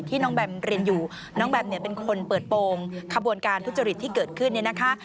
ที่น้องแบมเป็นคนเปิดโปรงขบวนการทุศจริตที่เกิดขึ้นนี่นะคะ